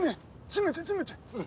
詰めて詰めて！